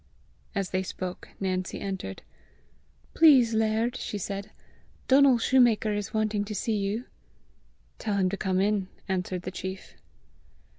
As they spoke, Nancy entered. "Please, laird," she said, "Donal shoemaker is wanting to see you." "Tell him to come in," answered the chief.